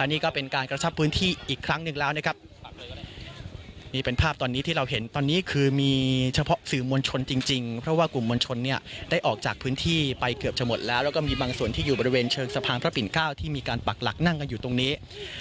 อันนี้ก็เป็นการกระชับพื้นที่อีกครั้งหนึ่งแล้วนะครับนี่เป็นภาพตอนนี้ที่เราเห็นตอนนี้คือมีเฉพาะสื่อมวลชนจริงจริงเพราะว่ากลุ่มมวลชนเนี่ยได้ออกจากพื้นที่ไปเกือบจะหมดแล้วแล้วก็มีบางส่วนที่อยู่บริเวณเชิงสะพานพระปิ่นเก้าที่มีการปักหลักนั่งกันอยู่ตรงนี้